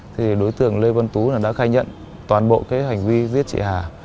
thì đối tượng lê văn tú đã khai nhận toàn bộ cái hành vi giết chị hà